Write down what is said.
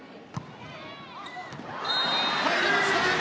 入りました。